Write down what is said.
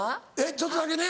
ちょっとだけね。